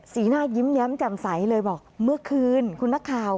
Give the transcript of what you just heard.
สีหน้ายิ้มแย้มแจ่มใสเลยบอกเมื่อคืนคุณนักข่าว